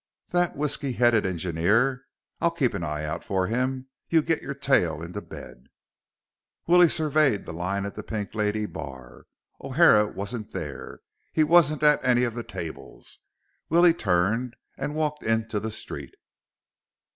"That whisky head engineer? I'll keep an eye out for him. You get your tail into bed." Willie surveyed the line at the Pink Lady bar. O'Hara wasn't there. He wasn't at any of the tables. Willie turned and walked into the street.